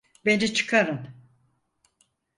Beni çıkarın!